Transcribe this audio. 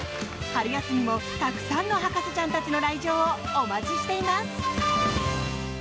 春休みもたくさんの博士ちゃんたちの来場をお待ちしています。